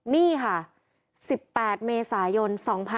นี่ค่ะ๑๘เมษายน๒๕๖๒